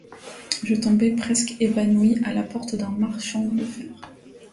Je tombai presque évanoui à la porte d’un marchand de fer.